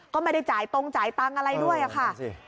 ก็ไม่ได้จ่ายตรงจ่ายตังค์อะไรด้วยค่ะ